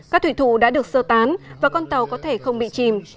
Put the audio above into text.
các thủy thủ đã được sơ tán và con tàu có thể không bị chìm